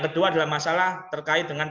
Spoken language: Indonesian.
kedua adalah masalah terkait dengan